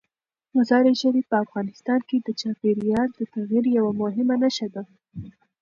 مزارشریف په افغانستان کې د چاپېریال د تغیر یوه مهمه نښه ده.